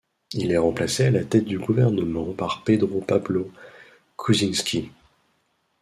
Il est remplacé à la tête du gouvernement par Pedro Pablo Kuczynski.